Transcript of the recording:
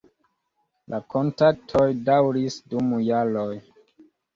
La kontaktoj daŭris dum jaroj.